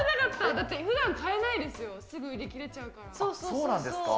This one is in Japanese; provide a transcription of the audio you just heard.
だって、ふだん買えないですよ、すぐ売り切れちゃうから。